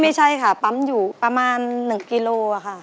ไม่ใช่ค่ะปั๊มอยู่ประมาณ๑กิโลค่ะ